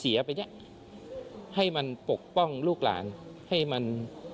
เสียไปเนี้ยให้มันปกป้องลูกหลานให้มัน